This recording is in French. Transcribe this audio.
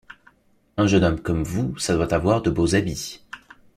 Un jeune homme comme vous, ça doit avoir de beaux habits.